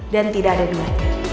dan tidak ada duanya